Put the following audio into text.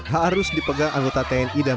harus dipegang anggota tni dan